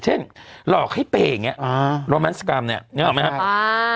เช่นหลอกให้เป่อย่างเนี้ยอ่ารอแมนสกรรมเนี้ยนึกออกไหมครับอ่า